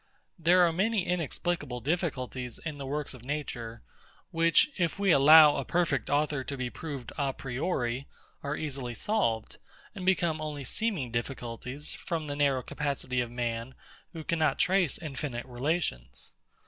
There are many inexplicable difficulties in the works of Nature, which, if we allow a perfect author to be proved a priori, are easily solved, and become only seeming difficulties, from the narrow capacity of man, who cannot trace infinite relations.